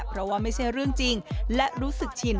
เพราะว่าไม่ใช่เรื่องจริงและรู้สึกชิน